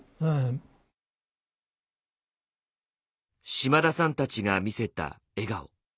島田さんたちが見せた笑顔。